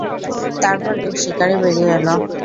তারপর, এক শিকারী বেরিয়ে এল।